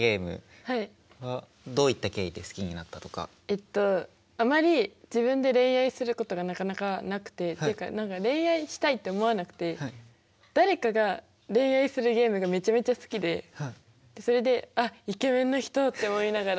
えっとあまり自分で恋愛することがなかなかなくてっていうか何か恋愛したいって思わなくて誰かが恋愛するゲームがめちゃめちゃ好きでそれで「あっイケメンの人」って思いながらゲームしてます。